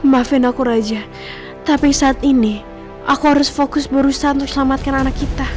maafin aku raja tapi saat ini aku harus fokus berusaha untuk selamatkan anak kita